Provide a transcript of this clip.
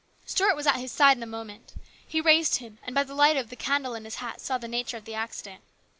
Stuart was at his side in a moment. He raised him, and by. the light of the candle in his hat saw the nature of the accident.